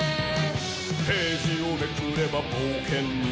「ページをめくれば冒険に」